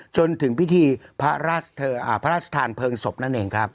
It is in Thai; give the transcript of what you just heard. จนถึงพิธีพระราชเธออ่าพระราชธานเพิงศพนั่นเองครับ